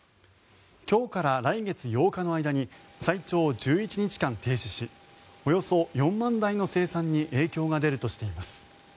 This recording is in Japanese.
今日から来月８日の間に最長１１日間停止しおよそ４万台の生産に影響が出るとしています。